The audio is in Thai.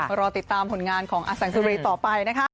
รอติดตามผลงานของอแสงสุรีต่อไปนะคะ